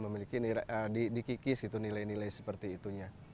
memiliki dikikis itu nilai nilai seperti itunya